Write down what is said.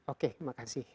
oke terima kasih